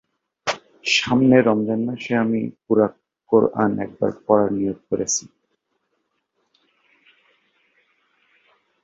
পানির অভাব এবং চরম তাপ সৃষ্টি করতে পারে জটিলতা যখন মরুভূমি যুদ্ধ চলে।